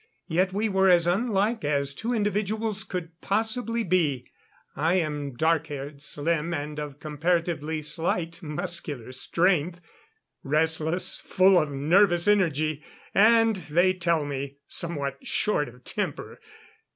Yet we were as unlike as two individuals could possibly be. I am dark haired, slim, and of comparatively slight muscular strength. Restless full of nervous energy and, they tell me, somewhat short of temper.